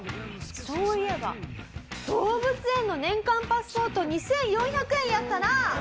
そういえば動物園の年間パスポート２４００円やったな！